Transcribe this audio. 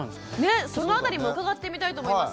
ねっその辺りもうかがってみたいと思います。